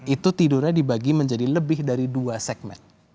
itu tidurnya dibagi menjadi lebih dari dua segmen